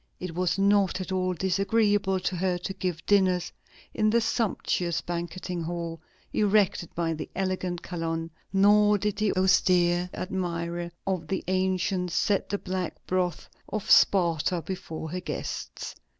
It was not at all disagreeable to her to give dinners in the sumptuous banqueting hall erected by the elegant Calonne, nor did the austere admirer of the ancients set the black broth of Sparta before her guests.